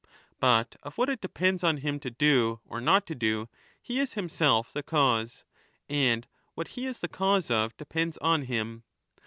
But of what it depends on him to do or not to do, he is himself the cause ; and what he is the cause of depends on him.